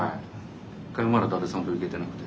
１回もまだ伊達さんと行けてなくて。